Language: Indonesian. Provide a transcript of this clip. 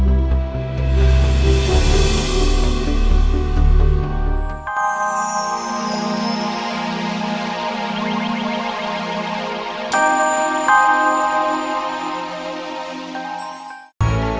takut lagi buat matem mateman